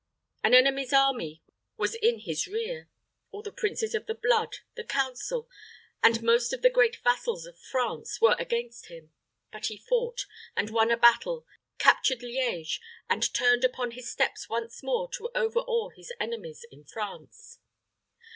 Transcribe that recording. An enemy's army was in his rear; all the princes of the blood, the council, and most of the great vassals of France were against him; but he fought and won a battle, captured Liege, and turned upon his steps once more to overawe his enemies in France.